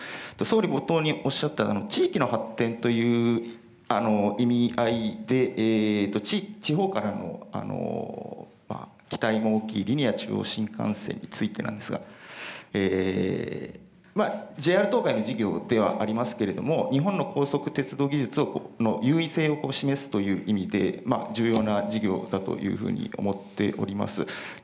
総理、冒頭におっしゃった地域の発展という意味合いで、地方からの期待も大きい、リニア中央新幹線についてなんですが、ＪＲ東海の事業ではありますけれども、日本の高速鉄道技術の優位性を示すという意味で、重要な事業だというふうに思っております。